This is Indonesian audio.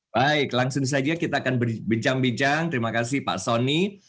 baik langsung saja kita akan berbincang bincang terima kasih pak soni